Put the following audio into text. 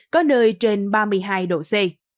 có nơi trên ba mươi hai độ c